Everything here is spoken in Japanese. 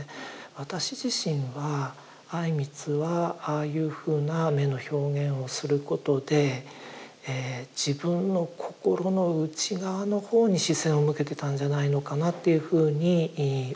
私自身は靉光はああいうふうな眼の表現をすることで自分の心の内側の方に視線を向けてたんじゃないのかなっていうふうに思っています。